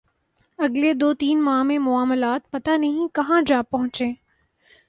اگلے دو تین ماہ میں معاملات پتہ نہیں کہاں جا پہنچیں۔